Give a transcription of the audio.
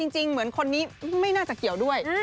จริงเหมือนคนนี้ไม่น่าจะเกี่ยวด้วย